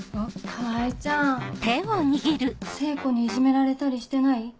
川合ちゃん聖子にいじめられたりしてない？